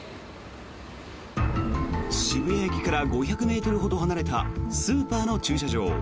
渋谷駅から５００ｍほど離れたスーパーの駐車場。